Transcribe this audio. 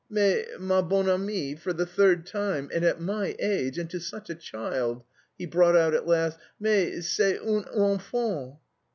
"Mais, ma bonne amie!...for the third time, and at my age...and to such a child." He brought out at last, _"Mais, c'est une enfant!"